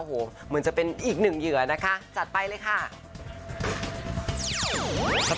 ก็คือถ้ามีเราเนี่ยคือทางตำรวจจะติดต่อมาเองเลย